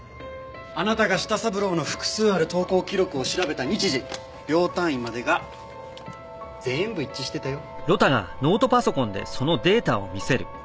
あなたが舌三郎の複数ある投稿記録を調べた日時秒単位までが全部一致してたよ。